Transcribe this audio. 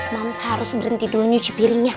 mams harus berhenti dulu nyuci piringnya